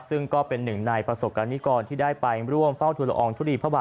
ซึ่งก็เป็นหนึ่งในประสบการณิกรที่ได้ไปร่วมเฝ้าทุลอองทุลีพระบาท